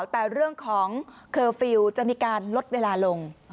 แต่เรื่องของเคอร์ฟิลล์จะมีการลดเวลาลง